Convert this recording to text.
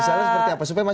coba dibocorin mbak